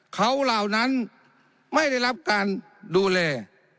เขาเหล่านั้นไม่ได้รับการดูแล